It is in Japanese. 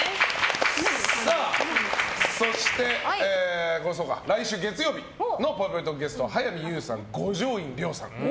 そして、来週月曜日のぽいぽいトークゲストは早見優さん、五条院凌さん。